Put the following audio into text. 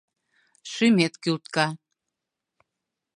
Шÿмет кÿлтка